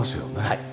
はい。